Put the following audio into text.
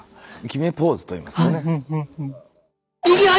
決めポーズといいますかね。